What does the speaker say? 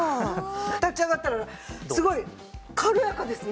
立ち上がったらすごい軽やかですね。